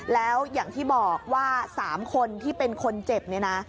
แล้วอย่างที่บอกว่า๓คนที่เป็นคนเจ็บเนี่ยนะ